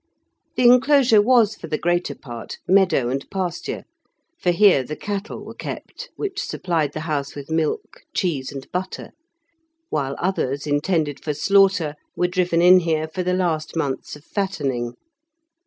The enclosure was for the greater part meadow and pasture, for here the cattle were kept, which supplied the house with milk, cheese, and butter, while others intended for slaughter were driven in here for the last months of fattening.